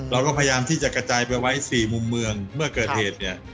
เราก็พยายามที่จะกระจายไปไว้สี่มุมเมืองเมื่อเกิดเหตุเนี่ย